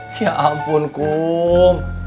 hah ya ampun kum